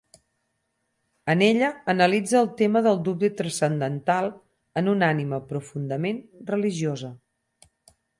En ella analitza el tema del dubte transcendental en una ànima profundament religiosa.